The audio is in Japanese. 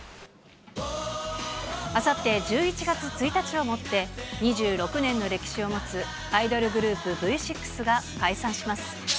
あさって１１月１日をもって、２６年の歴史を持つアイドルグループ、Ｖ６が解散します。